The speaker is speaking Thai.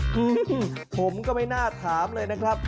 อืมผมก็ไม่น่าถามเลยนะครับ